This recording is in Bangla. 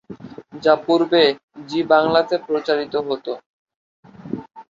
যা পূর্বে জি বাংলাতে প্রচারিত হত।